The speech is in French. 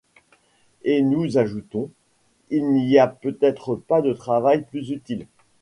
Et nous ajoutons: Il n’y a peut-être pas de travail plus utile.